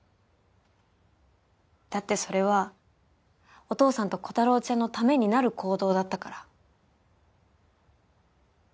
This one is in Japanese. だってそれはお父さんとコタローちゃんのためになる行動だったから。